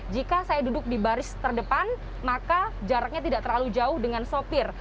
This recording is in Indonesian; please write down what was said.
jika saya duduk di baris terdepan maka jaraknya tidak terlalu jauh dengan sopir